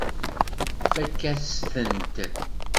Ifakk-as-tent.